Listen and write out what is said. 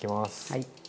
はい。